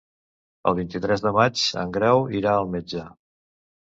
El vint-i-tres de maig en Grau irà al metge.